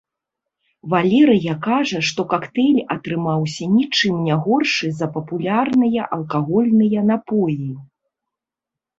Валерыя кажа, што кактэйль атрымаўся ні чым не горшы за папулярныя алкагольныя напоі.